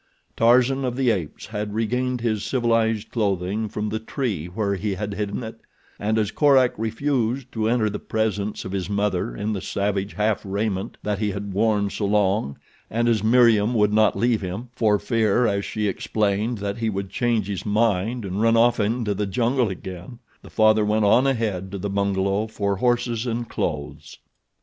Tarzan of the Apes had regained his civilized clothing from the tree where he had hidden it, and as Korak refused to enter the presence of his mother in the savage half raiment that he had worn so long and as Meriem would not leave him, for fear, as she explained, that he would change his mind and run off into the jungle again, the father went on ahead to the bungalow for horses and clothes.